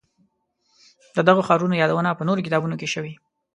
د دغو ښارونو یادونه په نورو کتابونو کې شوې.